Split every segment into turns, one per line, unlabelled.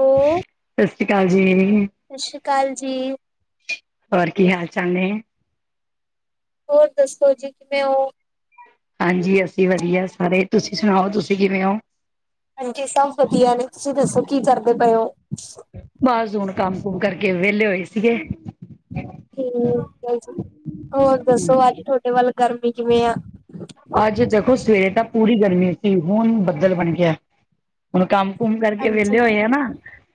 Hello,
ਸਤਿ ਸ੍ਰੀ ਅਕਾਲ ਜੀ।
ਸਤਿ ਸ਼੍ਰੀ ਅਕਾਲ ਜੀ।
ਹੋਰ ਕੀ ਹਾਲ ਚਾਲ ਨੇ?
ਹੋਰ ਦੱਸੋ ਜੀ ਕਿਵੇਂ ਹੋ?
ਹਾਂਜੀ ਅਸੀਂ ਵਧੀਆ ਸਾਰੇ, ਤੁਸੀਂ ਸੁਣਾਓ ਤੁਸੀਂ ਕਿਵੇਂ ਹੋ?
ਹਾਂਜੀ ਸਭ ਵਧੀਆ ਨੇ, ਤੁਸੀਂ ਦੱਸੋ ਕੀ ਕਰਦੇ ਪਏ ਹੋ?
ਬਸ ਹੁਣ ਕੰਮ ਕੁਮ ਕਰਕੇ ਵਿਹਲੇ ਹੋਏ ਸੀਗੇ।
ਹੂੰ ਹਾਂਜੀ ਹੋਰ ਦੱਸੋ, ਅੱਜ ਤੁਹਾਡੇ ਵੱਲ ਗਰਮੀ ਕਿਵੇਂ ਆ?
ਅੱਜ ਦੇਖੋ ਸਵੇਰੇ ਤਾਂ ਪੂਰੀ ਗਰਮੀ ਸੀ ਹੁਣ ਬੱਦਲ ਬਣ ਗਿਆ। ਹੁਣ ਕੰਮ ਕੁਮ ਕਰਕੇ
ਹਾਂਜੀ,
ਵਿਹਲੇ ਹੋਏ ਆ ਨਾ।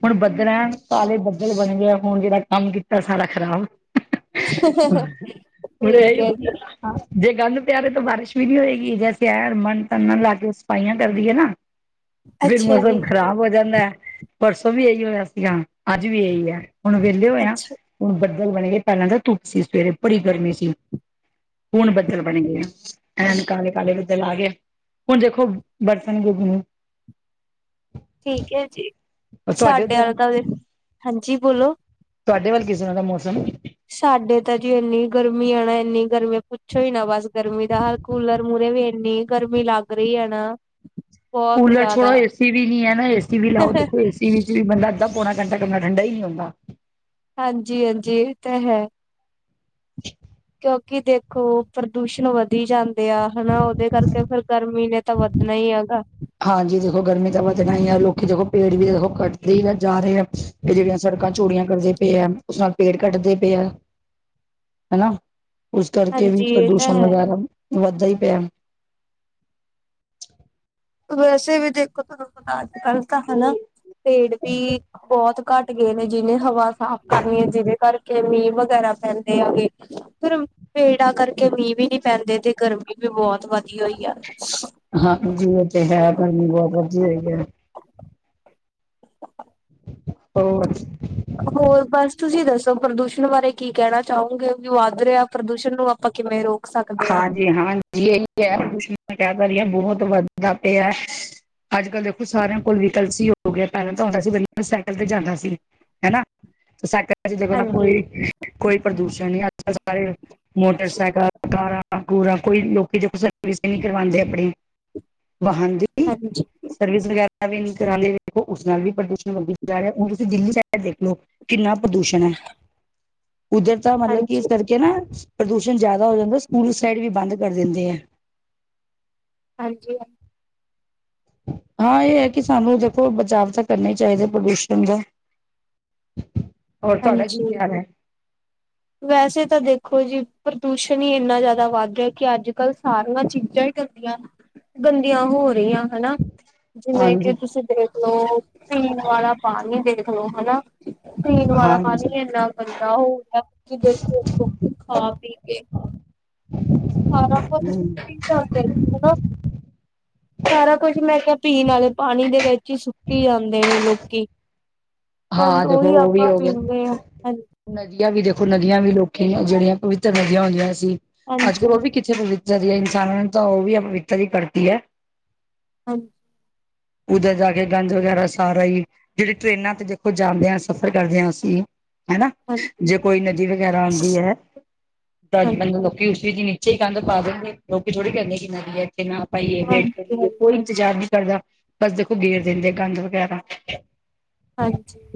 ਹੁਣ ਬੱਦਲ ਐਣ ਕਾਲੇ ਬੱਦਲ ਬਣ ਗਏ ਹੁਣ ਜਿਹੜਾ ਕੰਮ ਕੀਤਾ ਸਾਰਾ ਖ਼ਰਾਬ। ਹਾਂ
ਠੀਕ
ਹੁਣ ਇਹੀ ਹੁੰਦਾ ਹੈ ਹਾਂ ਜੇ ਗੰਦ ਪਿਆ ਰਹੇ ਤਾਂ ਬਾਰਿਸ਼। ਵੀਡੀਓ ਹੈਗੀ ਜੈਸੇ ਐਣ ਮਨ ਤਨ ਲਾ ਕੇ ਸਫਾਈਆਂ ਕਰਦੀ ਹੈ ਨਾ। ਫਿਰ
ਅੱਛਾ ਜੀ,
ਮੌਸਮ ਖ਼ਰਾਬ ਹੋ ਜਾਂਦਾ ਹੈ। ਪਰਸੋਂ ਵੀ ਇਹੀ ਹੋਇਆ ਸੀਗਾ ਅੱਜ ਵੀ ਇਹੀ ਹੈ। ਹੁਣ ਵਿੇਹਲੇ ਹੋਏ ਆ
ਅੱਛਾ
ਹੁਣ ਬੱਦਲ ਬਣੇ ਪਹਿਲਾਂ ਤਾਂ ਧੁੱਪ ਸੀ ਸਵੇਰੇ ਬੜੀ ਗਰਮੀ ਸੀ। ਹੁਣ ਬੱਦਲ ਬਣ ਗਏ ਆ। ਐਨ ਕਾਲੇ, ਕਾਲੇ ਬੱਦ ਲਾ ਗਏ ਹੁਣ ਦੇਖੋ ਬਰਤਣ ਗੁੱਗ ਨੂੰ।
ਠੀਕ ਹੈ ਜੀ, ਸਾਡੇ
ਉੱਧਰ,
ਵੱਲ ਤਾਂ ਹਾਂਜੀ ਬੋਲੋ।
ਤੁਹਾਡੇ ਵੱਲ ਕਿਸ ਤਰ੍ਹਾਂ ਦਾ ਮੌਸਮ ਏ?
ਸਾਡੇ ਤਾਂ ਜੀ ਇੰਨੀ ਗਰਮੀ ਆ ਨਾ ਇੰਨੀ ਗਰਮੀ ਪੁੱਛੋ ਹੀ ਨਾ ਬਸ। ਗਰਮੀ ਦਾ ਹਾਲ ਕੂਲਰ ਮੂਹਰੇ ਵੀ ਇੰਨੀ ਗਰਮੀ ਲੱਗ ਰਹੀ ਹੈ ਨਾ। ਬਹੁਤ
ਕੂਲਰ ਛੋੜੋ
ਜ਼ਿਆਦਾ।
ਏਸੀ ਵੀ ਨੀ ਹੈ ਨਾ ਏਸੀ ਵੀ ਲਾਓ ਦੇਖੋ ਏਸੀ ਵਿੱਚ ਵੀ ਬੰਦਾ। ਪੌਣਾ ਘੰਟਾ ਕਮਰਾ ਠੰਡਾ ਹੀ ਨਹੀਂ ਹੁੰਦਾ।
ਹਾਂਜੀ, ਹਾਂਜੀ ਇਹ ਤਾਂ ਹੈ,। ਕਿਉਂਕਿ ਦੇਖੋ ਪ੍ਰਦੂਸ਼ਣ ਵਧਦਾ। ਵੱਡੀ ਜਾਂਦੇ ਆ ਹਨਾ ਉਹਦੇ ਕਰਕੇ ਫੇਰ ਗਰਮੀ ਨੇ ਤਾਂ ਵੱਧਣਾ ਹੀ ਹੈਗਾ।
ਹਾਂਜੀ ਦੇਖੋ, ਗਰਮੀ ਤਾਂ ਵਧਣਾ ਹੀ ਆ ਲੋਕੀ ਦੇਖੋ ਪੇੜ ਵੀ ਦੇਖੋ ਕੱਟਦੇ ਹੀ ਜਾ ਰਹੇ ਆ‌। ਇਹ ਜਿਹੜੀਆਂ ਸੜਕਾਂ ਚੋੜੀਆਂ ਕਰਦੇ ਪਏ ਹੈ। ਉਸ ਨਾਲ ਪੇੜ ਕੱਟਦੇ ਪਏ ਹੈ। ਹਨਾ ਉਸ ਕਰਕੇ ਵੀ
ਹਾਂਜੀ ਇਹ ਤਾਂ
ਪ੍ਰਦੂਸ਼ਣ
ਹੈ
ਵਗੈਰਾ ਵੱਧਦਾ ਹੀ ਪਿਆ ਹੈ।
ਵੈਸੇ ਵੀ ਦੇਖੋ ਤੁਹਾਨੂੰ ਪਤਾ ਅੱਜ ਕੱਲ ਤਾਂ ਹਨਾ ਪੇੜ ਵੀ ਬਹੁਤ। ਘੱਟ ਗਏ ਨੇ ਜਿਹਨੇ ਹਵਾ ਸਾਫ਼ ਕਰਨੀ ਹੈ ਜਿਹਦੇ ਘਰ। ਕੇ ਮੀਂਹ ਵਗੈਰਾ ਪੈਂਦੇ ਹੈਗੇ ਫਿਰ ਪੇੜਾ ਕਰਕੇ ਮੀਂਹ ਵੀ ਨੀ ਪੈਂਦੇ ਤੇ ਗਰਮੀ। ਗਰਮੀ ਬਹੁਤ ਵਧੀਆ ਹੋਈ ਆ।
ਹਾਂਜੀ ਉਹ ਤੇ ਹੈ ਗਰਮੀ ਬਹੁਤ ਵੱਧੀ ਹੋਈ ਹੈ। ਹੋਰ।
ਹੋਰ ਬਸ, ਤੁਸੀਂ ਦੱਸੋ ਪ੍ਰਦੂਸ਼ਣ ਬਾਰੇ ਕੀ ਕਹਿਣਾ ਚਾਹੋਗੇ ਜੋ ਵੱਧ ਰਿਹਾ ਪ੍ਰਦੂਸ਼ਣ ਨੂੰ ਆਪਾਂ ਕਿਵੇਂ ਰੋਕ। ਸਕਦੇ ਆ।
ਜੀ ਹਾਂਜੀ ਇਹੀ ਹੈ ਕੁਛ ਮੈਂ ਕਹਿ ਰਹੀ ਬਹੁਤ ਵੱਧਦਾ ਪਿਆ। ਅੱਜ ਕੱਲ੍ਹ ਦੇਖੋ ਸਾਰਿਆਂ ਕੋਲ ਵੀਕਲ ਸੀ ਹੋ ਗਿਆ ਪਹਿਲਾਂ ਤਾਂ ਆਉਂਦਾ ਸੀ ਪਹਿਲਾਂ ਸਾਈਕਲ ਤੇ ਜਾਂਦਾ ਸੀ। ਹੈ ਨਾ ਤੇ ਸਾਈਕਲ। ਅਸੀਂ ਦੇਖੋ ਨਾ
ਹਾਂਜੀ
ਕੋਈ ਕੋਈ ਪ੍ਰਦੂਸ਼ਣ ਨਹੀਂ ਅੱਜ ਕੱਲ ਸਾਰੇ ਮੋਟਰਸਾਈਕਲ। ਕਾਰਾ- ਕੁਰਾ ਕੋਈ ਲੋਕੀ ਜੋ ਸਰਵਿਸ ਨਹੀਂ ਕਰਵਾਉਂਦੇ ਆਪਣੀ। ਵਾਹਨ ਦੀ ਜੀ।
ਹਾਂਜੀ
ਸਰਵਿਸ ਵਗੈਰਾ ਵੀ ਨਹੀਂ ਕਰਾਦੇ, ਦੇਖੋ ਉਸ ਨਾਲ ਵੀ ਪ੍ਰਦੂਸ਼ਣ ਵਦੀ ਜਾ ਰਿਹਾ। ਹੁਣ ਤੁਸੀਂ ਦਿੱਲੀ ਦੇਖ ਲੋ। ਕਿੰਨਾ ਪ੍ਰਦੂਸ਼ਣ ਹੈ। ਉੱਧਰ ਤਾਂ ਮਤਲਬ ਕਿ ਇਸ
ਹਾਂਜੀ
ਕਰਕੇ ਨਾ ਪ੍ਰਦੂਸ਼ਣ ਜ਼ਿਆਦਾ। ਹੋ ਜਾਂਦਾ, ਸਕੂਲ ਸਾਈਡ ਵੀ ਬੰਦ ਕਰ ਦਿੰਦੇ ਆ।
ਹਾਂਜੀ।
ਹਾਂ ਇਹ ਹੈ ਕਿ ਸਾਨੂੰ, ਦੇਖੋ ਬਚਾਵ ਤਾਂ ਕਰਨਾ ਹੀ ਚਾਹੀਦਾ ਪ੍ਰਦੂਸ਼ਣ ਦਾ।
[inaudible]
ਹੋਰ ਤੁਹਾਡਾ ਕੀ ਖਿਆਲ ਹੈ?
ਵੈਸੇ ਤਾਂ ਦੇਖੋ ਜੀ, ਪ੍ਰਦੂਸ਼ਣ ਹੀ ਇੰਨਾ ਜ਼ਿਆਦਾ ਵੱਧ ਰਿਹਾ। ਕਿ ਅੱਜ ਕੱਲ ਸਾਰੀਆਂ ਚੀਜ਼ਾਂ ਹੀ ਗੰਦੀਆਂ, ਗੰਦੀਆਂ ਹੋ ਰਹੀਆਂ ਹਨਾ। ਜਿਵੇਂ ਕਿ
ਹਾਂਜੀ
ਤੁਸੀਂ ਦੇਖਲੋ, ਪੀਣ ਵਾਲਾ ਪਾਣੀ ਦੇਖਲੋ ਹਨਾ। ਪੀਣ ਵਾਲਾ
ਹਾਂਜੀ
ਪਾਣੀ ਇੰਨਾ ਗੰਦਾ ਹੋ ਗਿਆ। ਕੀ ਦੇਖੋ ਲੋਕੀ ਖਾ ਪੀ ਕੇ ਸਾਰਾ ਕੁਛ
ਹਮ
ਸੁੱਟੀ ਜਾਂਦੇ ਹਨਾ। ਸਾਰਾ ਕੁਝ ਮੈਂ ਕਿਹਾ ਪੀਣ ਵਾਲੇ ਪਾਣੀ ਦੇ ਵਿੱਚ ਹੀ, ਸਟੀ ਜਾਂਦੇ ਨੇ ਲੋਕੀ।
ਹਾਂ ਦੇਖੋ
ਉਹੀ
ਉਹ ਵੀ
ਆਪਾਂ
ਹੋ ਗਏ
ਪੀਂਦੇ ਹਾਂ ਹਾਂਜੀ।
ਨਦੀਆਂ ਵੀ ਦੇਖੋ ਨਦੀਆਂ ਵੀ ਲੋਕੀ ਜਿਹੜੀਆਂ ਪਵਿੱਤਰ ਨਦੀਆਂ ਹੁੰਦੀਆਂ ਸੀ। ਅੱਜ ਕੱਲ ਉਹ
ਹਾਂਜੀ
ਵੀ ਕਿੱਥੇ ਪਵਿੱ ਜੇਰੀਆ ਇਨਸਾਨਾਂ ਨੇ ਤਾਂ ਉਹ ਵੀ ਅਪਵਿੱਤਰ ਹੀ ਕਰਤੀ ਹੈ।
ਹਾਂਜੀ।
ਉਧਰ ਜਾ ਕੇ ਗੰਦ ਵਗੈਰਾ ਸਾਰਾ ਹੀ, ਜਿਹੜੇ ਟ੍ਰਰੇਨਾਂ ਤੇ ੱ ਜਾਂਦੇ ਹਾਂ ਸਫ਼ਰ ਕਰਦੇ ਹਾਂ ਅਸੀਂ। ਹਨਾ,
ਹਾਂਜੀ
ਜੇ ਕੋਈ ਨਦੀ ਵਗੈਰਾ ਆਉਂਦੀ ਹੈ। ਤਾਂ
ਹਾਂਜੀ
ਮੈਨੂੰ ਲੋਕੀ ਉਸ ਵਿੱਚ ਹੀਂ। ਵਿਚ ਅੇ ਹੀ ਕੰਧ ਪਾ ਦੇਂਦੇ। ਲੋਕ ਥੋੜੇ ਕਹਿੰਦੇ ਕਿ ਨਦੀਏ ਇੱਥੇ ਨਾ ਪਾਈਏ ਵੇਟ ਕਰ
ਹਾਂਜੀ
ਲਈਏ ਕੋਈ ਨਹੀਂ। ਇੰਤਜ਼ਾਰ ਨਹੀਂ ਕਰਦਾ ਬਸ ਦੇਖੋ ਗੇਰ ਦਿੰਦੇ ਗੰਦ ਵਗੈਰਾ।
ਹਾਂਜੀ।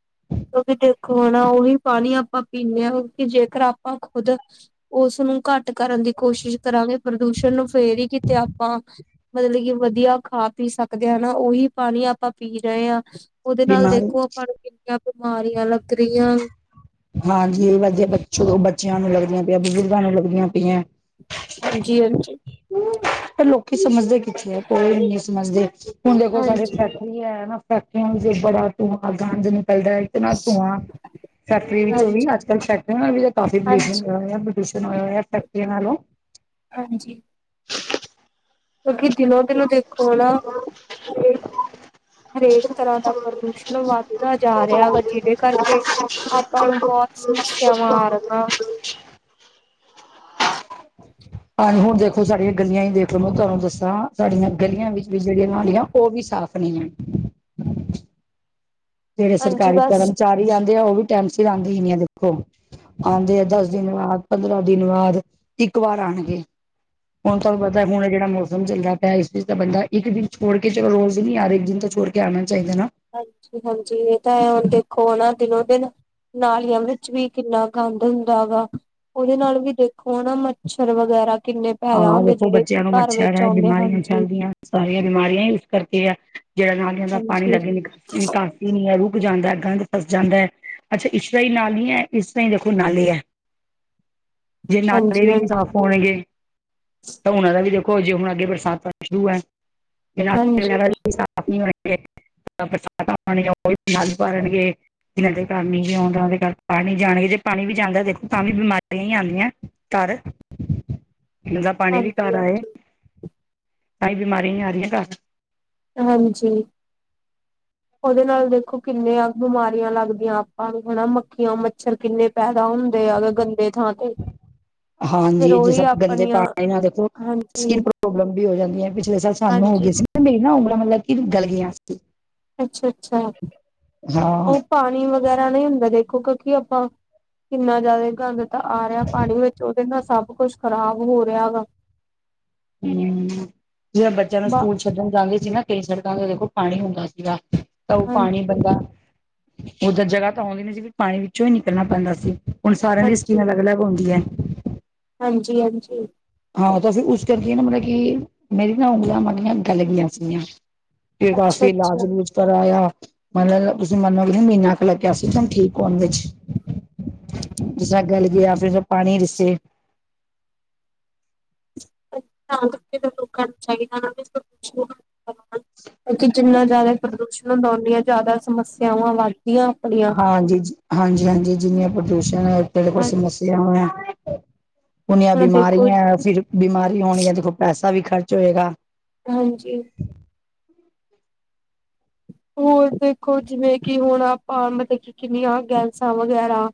ਹ [inaudible]
ਕਿ ਵੀ ਦੇਖੋ ਹੈ ਨਾ, ਉਹੀ ਪਾਣੀ ਆਪਾਂ ਪੀਂਦੇ ਹਾਂ, ਕਿਉਕਿ ਜੇਕਰ ਆਪਾਂ ਖੁਦ ਉਸਨੂੰ ਘੱਟ ਕਰਨ ਦੀ ਕੋਸ਼ਿਸ਼ ਕਰਾਂਗੇ, ਪ੍ਰਦੂਸ਼ਣ ਨੂੰ ਫੇਰੀ ਹੀ ਕਿਤੇ ਆਪਾਂ। ਮਤਲਬ ਕਿ ਵਧੀਆ ਖਾ- ਪੀ ਸਕਦੇ ਹਾ, ਹਨਾ ਉਹੀ ਪਾਣੀ ਆਪਾਂ ਪੀ ਰਹੇ ਹਾਂ। ਉਹਦੇ ਨਾਲ
ਬਿਮਾਰੀ
ਦੇਖੋ ਆਪਾਂ ਨੂੰ ਕਿੰਨੀਆਂ ਬਿਮਾਰੀਆਂ ਲੱਗ ਰਹੀਆਂ।
ਹਾਂਜੀ ਇਹ ਵਧੀਆ ਬ ਬੱਚਿਆਂ ਨੂੰ ਲੱਗਦੀਆਂ ਪਈਆਂ, ਬਜ਼ੁਰਗਾਂ ਨੂੰ ਲੱਗਦੀਆਂ ਪਈਆਂ।
ਹਾਂਜੀ- ਹਾਂਜੀ।
ਲੋਕੀ ਸਮਝਦੇ ਕਿੱਥੇ ਹੈ। ਕੋਈ ਵੀ ਨਹੀਂ ਸਮਝਦੇ, ਹੁਣ ਦੇਖੋ ਸਾਡੇੈ
ਹਾਂਜੀ
ਹੈ ਨਾ ਫੈਕਟਰਿਆਆ ਜੇ ਬੜਾ ਧੂੰਆਂ ਗੰਜ ਨਿਕਲਦਾ, ਇਤਨਾ ਧੂੰਆਂ ਫੈਕਟਰੀਆਂ ਵਿੱਚੋਂ ਵੀ
ਹਾਂਜੀ
ਅੱਜ ਕੱਲ ਫੈਕਟਰੀਆਂ ਨਾਲ ਵੀ ਕਾਫੀ ਪਲਿਊਸ਼ਨ
ਹਾਂਜੀ
ਹੋਇਆ। ਪੋਲਿਸ਼ਨ ਹੋਇਆ ਫੈਕਟਰੀਆਂ ਨਾਲੋਂ।
ਹਾਂਜੀ। ਕਿਉਂਕਿ ਦਿਨੋ- ਦਿਨੋ, ਦੇਖੋ ਨਾ। ਹਰੇਕ ਤਰਾਂ ਦਾ ਪ੍ਰਦੂਸ਼ਣ, ਵੱਧਦਾ ਜਾ ਰਿਹਾ ਵਾ। ਜਿਹਦੇ ਕਰਕੇ
ਹੋ [unintelligible]
ਸਮੱਸਿਆ ਆ ਰਹਿਆ।
ਹਾਂਜੀ ਹੁਣ ਦੇਖੋ ਸਾਡੀਆਂ ਗਲੀਆਂ ਹੀ ਦੇਖ ਲਓ, ਮੈਂ ਤੁਹਾਨੂੰ ਦੱਸਾਂ ਸਾਡੀਆਂ ਗਲੀਆਂ ਵਿੱਚ ਵੀ, ਜਿਹੜੀਆਂ ਨਾਲੀਆਂ ਉਹ ਵੀ ਸਾਫ਼ ਨਹੀਂ ਹੈ। ਜਿਹੜੇ
ਹਾਂਜੀ
ਸਰਕਾਰੀ
ਬਸ
ਕਰਮਚਾਰੀ ਆਉਂਦੇ ਆ। ਉਹ ਵੀ ਟਾਈਮ ਸੀਰ ਆਦੇ ਹੀ ਨਹੀਂ ਆ ਦੇਖੋ। ਆਉਂਦੇ ਆ ਦਸ ਦਿਨ ਬਾਅਦ, ਪੰਦਰਾਂ ਦਿਨ ਬਾਅਦ ਇੱਕ ਵਾਰ ਆਉਣਗੇ। ਹੁਣ ਤੁਹਾਨੂੰ ਪਤਾ ਹੁਣ ਜਿਹੜਾ ਮੌਸਮ ਚੱਲਦਾ ਪਿਆ, ਇਸ ਵਿੱਚ ਤਾਂ ਬੰਦਾ ਇੱਕ ਦਿਨ ਛੋੜ ਕੇ, ਚਲੋ ਰੋਜ਼ ਨਹੀ ਆ ਰਹੇ। ਇੱਕ ਦਿਨ ਤਾਂ ਛੋੜ ਕੇ ਆਣਾ ਚਾਹੀਦਾ ਨਾ।
ਹਾਂਜੀ- ਹਾਂਜੀ ਇਹ ਤਾਂ ਹੈ ਹੁਣ, ਦੇਖੋ ਆ ਨਾ ਦਿਨੋ- ਦਿਨ। ਨਾਲੀਆਂ ਵਿੱਚ ਵੀ ਕਿੰਨਾ ਗੰਦ ਹੁੰਦਾ ਹੈਗਾ। ਉਹਦੇ ਨਾਲ ਵੀ ਦੇਖੋ ਨਾ ਮੱਛਰ ਵਗੈਰਾ ਕਿੰਨੇ। ਪੈਦਾ
ਹਾਂ
ਹੁੰਦੇ
ਦੇਖੋ
ਜਿਹੜੇ ਕਿ
ਬੱਚਿਆਂ ਨੂੰ
ਘਰ
ਮੱਛਰ
ਵਿੱਚ
ਹੈ
ਆਉਂਦੇ
ਬਿਮਾਰੀਆਂ
ਹਾਂਜੀ।
ਫੈਲਦੀਆਂ। ਸਾਰੀਆਂ ਬਿਮਾਰੀਆਂ ਇਸ ਕਰਕੇ ਆ। ਜਿਹੜਾ ਨਾਲੀਆਂ ਦਾ ਪਾਣੀ
ਹਾਂਜੀ,
ਲਾਗੇ ਨਿਕ- ਨਿਕਲ ਹੈ ਰੁਕ ਜਾਂਦਾ, ਗੰਦ ਫਸ ਜਾਂਦਾ ਹੈ। ਅੱਛਾ। ਇਸ ਤਰ੍ਹਾਂ ਹੀ ਨਾਲੀ ਹੀ ਹੈ ਇਸ ਤਰ੍ਹਾਂ ਹੀ ਦੇਖੋ ਨਾਲੇ ਹੈ।
[inaudible]
ਜੇ ਨਾਲੇ
ਹਾਂਜੀ, ਹਾਂਜੀ,
ਵੀ ਸਾਫ਼ ਹੋਣਗੇ। ਤਾਂ ਹੁਨਾਂ ਦਾ ਵੀ ਦੇਖੋ ਜੇ ਹੁਣ ਅੱਗੇ ਬਰਸਾਤ ਤਾਂ ਸ਼ੁਰੂ ਹੈ।
ਹਾਂਜੀ,
[unintelligible] ਆਪ ਹੋ ਬਸਾਤਾਂ ਪਾਣੀਆਂ ਉਹ ਨਾਲ ਭਰਨਗੇ। ਜਿਨਾਂ ਦੇ ਘਰ ਨਹੀਂ ਆਉਂਦਾ ਉਹਦੇ ਘਰ ਪਾਣੀ ਜਾਣਗੇ ਜੇ ਪਾਣੀ ਵੀ ਜਾਂਦਾ ਦੇਖੋ ਤਾਂ ਵੀ ਬਿਮਾਰੀਆਂ ਹੀ ਆਉਂਦੀਆਂ। ਘਰ ਪ ਦਾ ਪਾਣੀ ਵੀ
ਹਾਂਜੀ,
ਘਰ ਆਏ
ਹਾਂਜੀ।
ਕਈ ਬਿਮਾਰੀਆਂ ਨਹੀਂ ਆ ਰਹੀਆਂ ਘਰ।
ਹਾਂਜੀ। ਉਹਦੇ ਨਾਲ ਦੇਖੋ ਕਿੰਨੀਆਂ ਬਿਮਾਰੀਆਂ ਲੱਗਦੀਆਂ ਆਪਾਂ ਹਨਾ। ਮੱਖੀਆਂ, ਮੱਛਰ ਕਿੰਨੇ ਪੈਦਾ ਹੁੰਦੇ ਆਗ ਗੰਦੇ ਥਾਂ ਤੇ। ਫੇਰ
ਹਾਂਜੀ। ਜੇ
ਉਹੀ
ਸਭ ਗੰਦੇ
ਆਪਣੀਆਂ
ਪਾਣੀ ਨਾਲ ਦੇਖੋ
ਹਾਂਜੀ,
ਸਕਿੰਨ ਪ੍ਰੋਬਲਮ ਵੀ ਹੋ ਜਾਂਦੀ ਹੈ। ਪਿਛਲੇ ਸਾਲ ਸਾਨੂੰ ਹੋ ਗਈ
ਹਾਂਜੀ।
ਸੀ ਮੇਰੀ ਨਾ ਉਂਗਲਾਂ ਮਤਲਬ ਕਿ ਗਲ ਗਈ ਸੀ।
ਅੱਛਾ- ਅੱਛਾ।
ਹਾਂ
ਉਹ ਪਾਣੀ ਵ ਵਗੈਰਾ ਨਹੀਂ ਹੁੰਦਾ ਦੇਖੋ ਕਿਉਂਕਿ ਆਪਾਂ, ਕਿੰਨਾ ਜ਼ਿਆਦਾ ਗੰਦ ਤਾਂ ਆ ਰਿਹਾ ਪਾਣੀ ਵਿੱਚ ਉਹਦੇ ਨਾਲ ਸਭ ਕੁਛ ਖ਼ਰਾਬ ਹੋ ਰਿਹਾ ਗਾ।
ਹੂ। ਜਿ ਬੱਚਿਆਂ ਨੂੰ
ਬ
ਸਕੂਲ ਛੱਡਣ ਜਾਂਦੀ ਸੀ ਨਾ ਕਈ ਸੜਕਾਂ ਤੇ ਦੇਖੋ ਪਾਣੀ ਹੁੰਦਾ ਸੀਗਾ ਤਾਂ ਉਹ ਪਾਣੀ
ਹਾਂਜੀ
ਬੰਦਾ ਉਧਰ ਜਗ੍ਹਾ ਤਾਂ ਆਉਂਦੀ ਨ ਸੀ ਵੀ ਪਾਣੀ ਵਿੱਚੋਂ ਹੀ ਨਿਕਲਣਾ ਪੈਂਦਾ ਸੀ। ਹੁਣ ਸਾਰਿਆਂ ਦੀ ਸਕੀਮ
ਹਾਂਜੀ
ਅਲੱਗ- ਅਲੱਗ ਹੁੰਦੀ ਹੈ।
ਹਾਂਜੀ- ਹਾਂਜੀ।
ਹਾਂ, ਤਾਂ ਫਿਰ ਉਸ ਕਰਕੇ ਨਾ ਮਤਲਬ ਕਿ, ਮੇਰੀ ਨਾ ਉਂਗਲਾਂ ਮੇਗੀਆਂ ਗਲ ਗਿਆਂ ਸੀਗੀਆਂ। ਫ
ਅੱਛਾ
ਵਸੀ ਇਲਾਜ-
ਅੱਛਾ
ਲੂਜ ਕਰਿਆ। ਮਤਲਬ ਤੁਸੀਂ ਮੰਨ ਲਓ ਕਿ ਮਹੀਨਾ ਕੁ ਲੱਗਿਆ ਸੀ ਮੈਨੂੰ ਠੀਕ ਹੋਣ ਵਿੱਚ। ਜਿਸ ਗਲ ਗਿਆ ਫਿਰ ਪਾਣੀ ਰਿਸੇ
ਲੋਕ ਚਾਹੀ [unintelligible] ਜਿੰਨਾ ਜ਼ਿਆਦਾ ਪ੍ਰਦੂਸ਼ਣ ਹੁੰਦਾ। ਉਣਿਆਂ ਜ਼ਿਆਦਾ ਸਮੱਸਿਆਵਾਂ ਵੱਧ ਯਾ ਆਪਣੀਆਂ।
ਹਾਂਜੀ- ਹਾਂਜੀ- ਹਾਂਜੀ ਜਿੰਨੀਆਂ ਪ੍ਰਦੂਸ਼ਣ ਹੈ ਤੁ ਕੋਲ ਸਮੱਸਿਆ
ਹਾਂਜੀ
ਹੈ। ਉਨੀਆਂ
ਹੁਣ ਦੇਖੋ
ਬਿਮਾਰੀਆਂ। ਫਿਰ ਬਿਮਾਰ ਹੋਣੀਆਂ ਦੇਖੋ ਪੈਸਾ ਵੀ ਖਰਚ ਹੋਏਗਾ।
ਹਾਂਜੀ। ਹੋਰ ਦੇਖੋ ਜਿਵੇਂ ਕਿ ਹੁਣ ਆਪਾਂ ਮਤਲਬ ਕਿ ਕਿੰਨੀਆਂ ਗੈਸਾਂ ਵਗੈਰਾ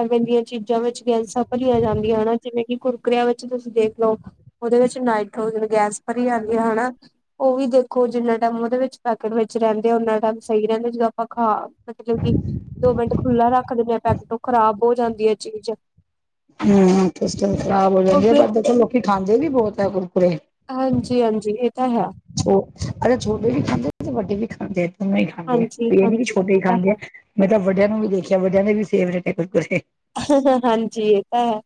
ਐਵੇਂ ਦੀਆਂ ਚੀਜ਼ਾਂ ਵਿੱਚ ਗੈਲਸਾਂ ਭਰੀਆਂ ਜਾਂਦੀਆਂ ਹਨ। ਜਿਵੇਂ ਕਿ ਗ ਕੁੱਕਰਿਆਂ ਵਿੱਚ ਤੁਸੀਂ ਦੇਖ ਲਓ। ਉਹਦੇ ਵਿੱਚ ਨਾਈਟ੍ਰੋਜਨ ਗੈਸ ਭਰੀ ਜਾਂਦੀ ਹੈ। ਹਨਾ। ਉਹ ਵੀ ਦੇਖੋ ਜਿੰਨਾ ਟਾਈਮ ਉਹਦੇ ਵਿੱਚ ਪੈਕੇਟ ਵ। ਰਹਿੰਦੇ ਆ ਉਹਨਾਂ ਟਾਈਮ ਸਹੀ ਰਹਿੰਦਾ ਜਦੋਂ ਆਪਾਂ ਖਾ ਮਤਲਬ ਕਿ ਦੋ ਮਿੰਟ ਖੁੱਲ੍ਹਾ ਰੱਖ ਦਿੰਦੇ ਹਾਂ। ਪੈ ਖ਼ਰਾਬ ਹੋ ਜਾਂਦੀ ਹੈ ਚੀਜ਼।
ਹੂ। ਸਿਸਟਮ ਖਰਾਬ ਹੋ ਜਾਂਦੀ ਪਰ ਦੇਖੋ ਲੋਕੀ ਖਾਂਦੇ ਵੀ ਬਹੁਤ ਹੈ ਗੁਰਕਰੇ।
ਹਾਂਜੀ- ਹਾਂਜੀ। ਇਹ ਤਾਂ ਹੈ।
ਛ ਅ ਛੋਟੇ ਵੀ ਖਾਂਦੇ ਤੇ, ਵੱਡੇ ਵੀ ਖਾਂਦੇ। ਊ ਹੀ ਖਾਂਦੇ ਆ
ਹਾਂਜੀ
ਕੋਈ ਇਹ ਨੀ ਕਿ
ਹਾਂਜੀ
ਛੋਟ ਹੀ
ਤਾਂ
ਖਾਂਦੇ ਆ।
ਹੈ
ਮੈਂ ਤਾਂ ਵੱਡਿਆਂ ਨੂੰ ਵੀ ਦੇਖਿਆ, ਵੱਡਿਆਂ ਦੇ ਵੀ ਫੇਵਰੇਟ ਹੈ।
ਹਾਂਜੀ। ਇਹ ਤਾਂ ਹੈ।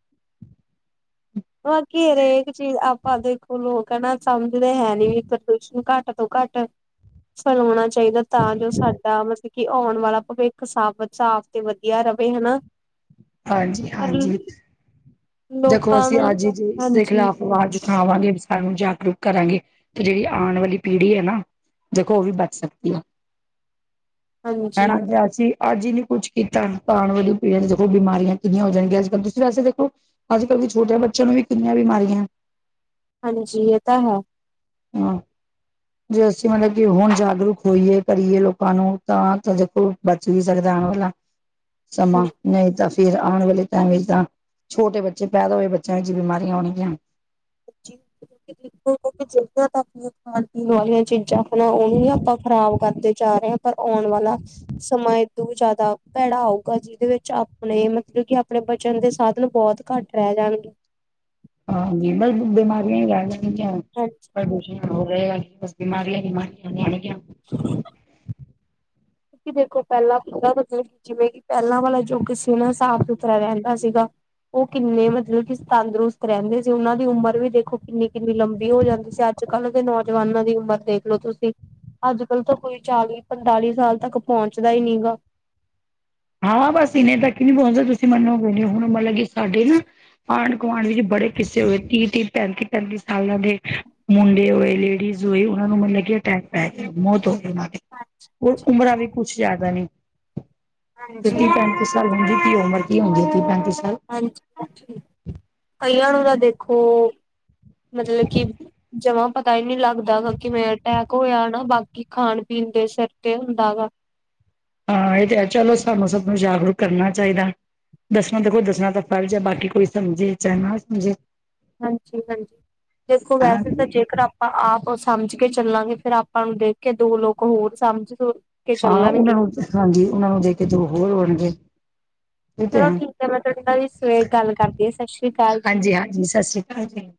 ਹਰੇਕ ਚੀਜ਼ ਆਪਾਂ ਦੇਖੋਲੋ। ਕਹਿਣਾ ਸਮਝਦੇ ਹੈ ਨੀ ਵੀ ਪ੍ਰਦੂਸ਼ਣ ਘੱਟ ਤੋਂ ਘੱਟ, ਫਲੋਣਾ ਚ'। ਚਾਹੀਦਾ ਤਾਂ ਜੋ ਸਾਡਾ ਮਤਲਬ ਕਿ ਆਉਣ ਵਾਲਾ ਭਵਿੱਖ ਸਭ ਸਾਫ਼ ਤੇ ਵਧੀਆ ਰਹੇ। ਹਨਾ।
ਹਾਂਜੀ-
ਪਰ
ਹਾਂਜੀ। ਦੇਖੋ,
ਲੋਕਾਂ
ਅਸੀਂ
ਨੂੰ
ਅੱਜ ਜ ਇਸਦੇ
ਹਾਂਜੀ
ਖਿਲਾਫ਼ ਆਵਾਜ਼ ਉਠਾ ਵਾਂਗੇ ਸਾਰਿਆਂ ਨੂੰ ਜਾਗਰੂਕ ਕਰਾਂਗੇ। ਤੇ ਜਿਹੜੀ ਆਉਣ ਵਾਲੀ ਪੀੜ੍ਹੀ ਹੈ ਨਾ। ਦੇਖੋ ਉਹ ਵੀ ਬਚ ਸਕਦੀ ਹੈ। ਹਨਾ।
ਹਾਂਜੀ
ਜ ਅਸੀਂ ਅੱਜ ਹੀ ਨੀ ਕੁੱਛ ਕੀਤਾ। ਪਾਉਣ ਵਾਲੀ ਪੀੜ ਚ' ਉਹ ਬਿਮਾਰੀਆਂ ਕਿੰਨੀਆਂ ਹੋ ਜਾਣੀਆਂ ਅੱਜ ਕੱਲ੍ਹ ਤੁਸੀਂ ਵੈਸ ਦੇਖੋ ਅੱਜ ਕੱਲ੍ਹ ਦੀ ਛੋਟੀਆਂ ਬੱਚਿਆਂ ਨੂੰ ਵੀ ਕਿਨੀਆਂ ਬਿਮਾਰੀਆਂ
ਹਾਂਜੀ ਇਹ ਤਾਂ ਹੈ
ਹਮ। ਜੇ ਅਸੀਂ ਮਤਲਬ ਕਿ ਹੁਣ ਜਾਗਰੂਕ ਹੋਈਏ ਕਰੀਏ ਲੋਕਾਂ ਨੂੰ ਤਾਂ ਤਾਂ ਦੇਖੋ ਬਚ ਵੀ ਸਕਦਾ ਆਉਣ ਵਾਲਾ।
[inaudible]
ਸਮਾਂ ਨਹੀਂ ਤਾਂ। ਫੇਰ ਆਉਣ ਵਾਲੇ ਟਾਈਮ ਵਿੱਚ ਤਾਂ ਛੋਟੇ ਬੱਚੇ ਪੈਦਾ ਹੋਏ ਬੱਚਿਆਂ ਵਿੱਚ ਬਿਮਾਰੀਆਂ ਹੋਣਗੀਆਂ।
ਦੇਖੋ ਜ ਤਾਂ ਆਪਣੀਆਂ ਖਾਣ ਪੀਣ ਵਾਲੀਆਂ ਚੀਜ਼ਾਂ। ਨਾ ਉਹਨੂੰ ਹੀ ਆਪਾਂ ਖ਼ਰਾਬ ਕਰਦੇ ਜਾ ਰਹੇ ਹਾਂ ਪਰ ਆਉਣ ਵਾਲਾ। ਸਮਾਂ ਏਦੋ ਜ਼ਿਆਦਾ ਭੈੜਾ ਆਊਗਾ ਜਿਹਦੇ ਵਿੱਚ ਆਪਣੇ ਮਤਲਬ ਕਿ ਆਪਣੇ ਬਚਨ ਦੇ ਸਾਧਨ ਬਹੁਤ ਘੱਟ। ਰਹਿ ਜਾਣਗੇ।
ਹਾਂਜੀ ਬ ਬਿਮਾਰੀਆਂ ਵੀ ਰਹਿਗ।
ਅੱਛਾ।
ਪ੍ਰਦੂਸ਼ਣ ਹੋ ਰਹੇ ਆ ਬਸ ਬਿਮਾਰੀਆਂ ਬਿਮਾਰੀਆਂ ਹਣਗੀਆਂ।
[unintelligible] ਕਿ ਦੇਖੋ ਪਹਿਲਾਂ ਪਾਂ ਮਤਲਬ। ਜਿਵੇਂ ਕਿ ਪਹਿਲਾਂ ਵਾਲਾ ਜੋ ਕਿਸੇ ਨਾ ਸਾਫ਼ ਸੁਥਰਾ ਰਹਿੰਦਾ ਸੀਗਾ। ਉਹ ਕਿੰਨੇ ਮਤਲਬ ਕਿ ਤੰਦਰੁਸਤ ਰਹਿੰਦੇ ਸੀ ਉਹਨਾਂ ਦੀ ਉਮਰ ਵੀ ਦੇਖੋ ਕਿੰਨੀ ਕਿੰਨੀ ਲੰਬੀ ਹੋ ਜਾਂਦੀ ਸੀ ਅੱਜ। ਅੱਜ ਕੱਲ੍ਹ ਦੇ ਨੌਜਵਾਨਾਂ ਦੀ ਉਮਰ ਦੇਖਲੋ ਤੁਸੀਂ ਅੱਜ ਕੱਲ ਤਾਂ ਕੋਈ ਚਾਲੀ ਪੰਤਾਲੀ ਸਾਲ। ਤੱਕ ਪਹੁੰਚਦਾ ਹੀ ਨਹੀਂ ਗਾ।
ਹਾਂ ਬਸ ਇਨੇ ਤੱਕ ਹੀ ਨਹੀਂਪਹੁੰਚਦਾ ਤੁਸੀਂ ਮੰਨੋਗੇ ਨ ਹੋ ਹੁਣ ਮੰਤਲ ਲ ਸਾਡੇ ਨਾ। ਆਂਢ ਗੁਆਂਢ ਵਿੱਚ ਬੜੇ ਕਿੱਸੇ ਹੋਏ ਤੀਹ-ਤੀਹ ਪੈਂਤੀ-ਪੈਂਤੀ ਸਾਲਾਂ ਦੇ ਮੁੰਡੇ ਹੋਏ ਲੇਡੀਜ਼ ਈ ਉਹਨਾਂ ਨੂੰ ਮਤਲਬ ਕਿ ਅਟੈਕ ਪੈ ਗਿਆ ਮੌਤ ਹੋ ਗਈ ਉਹ ਦੀ
ਹਾਂਜੀ
ਉਮਰਾਂ ਵੀ ਕੁੱਛ ਜ਼ਿਆਦਾ ਨੀ ਤੇ
ਹਾਂਜੀ
ਤੀ ਪੈਂਤੀ ਸਾਲ ਹੁੰਦੀ ਤੀ ਉਮਰ ਕੀ ਹੁੰਦੀ ਹੈ ਤੀ ਪੈਂਤੀ ਸਾਲ
ਹਾਂਜੀ-ਹਾਂਜੀ ਕਈਆਂ ਨੂੰ ਦਾ ਦੇਖੋ ਮਤਲਬ ਕਿ ਜਮਾ ਪਤਾ ਹੀ ਨਹੀਂ ਲੱਗਦਾ ਗਾ ਕਿਵੇਂ ਅਟੈਕ ਹੋਇਆ ਨਾ ਬਾਕੀ ਖਾਣ ਪੀਣ ਦੇ ਸਿਰ ਤੇ ਹੁੰਦਾ ਗਾ
ਹਾਂ ਇਹ ਤੇ ਚਲੋ ਸਾਨੂੰ ਸਭ ਨੂੰ ਜਾਗਰੂਕ ਕਰਨਾ ਚਾਹੀਦਾ ਦਸਣਾ ਦੇਖੋ ਦੱਸਣਾ ਤਾਂ ਫ ਜਾਂ ਬਾਕੀ ਕੋਈ ਸਮਝੇ ਚ ਨਾ ਸਮਝੇ
ਹਾਂਜੀ-ਹਾਂਜੀ ਦੇਖੋ ਵੈਸੇ ਤਾਂ
ਹਾਂਜੀ
ਜੇਕਰ ਆਪ ਆਪਾਂ ਆਪ ਉਹ ਸਮਝ ਕੇ ਚੱਲਾਂਗੇ ਫੇਿਰ ਆਪਾਂ ਨੂੰ ਦੇਖ ਕੇ ਦੋ ਲੋਕ ਹੋਰ ਸਮਝ ਕੇ
ਹਾਂ
ਚੱਲਣਗੇ
ਉਹਨਾਂ ਨੂੰ ਹਾਂਜੀ ਉਹਨਾਂ ਨੂੰ ਦੇ ਕੇ ਦ ਹੋਰ ਬਣਗੇ
ਚਲੋ ਠੀਕ ਹੈ ਮੈਂ ਤੁਹਾਡੇ ਨਾਲ ਇਸ ਵੇ ਗੱਲ ਕਰਦੀ ਹਾਂ ਸਤਿ ਸ੍ਰੀ ਅਕਾਲ ਜੀ।
ਹਾਂਜੀ ਹਾਂਜੀ ਸਤਿ ਸ੍ਰੀ ਅਕਾਲ ਜੀ।